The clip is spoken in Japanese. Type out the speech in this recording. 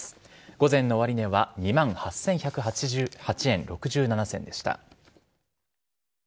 午前の終値は２万８１８０円６７銭でした。